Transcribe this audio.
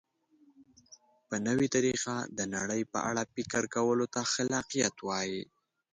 په نوې طریقه د نړۍ په اړه فکر کولو ته خلاقیت وایي.